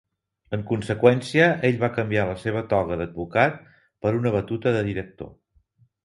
En conseqüència, ell va canviar la seva "toga" d"advocat per una batuta de director.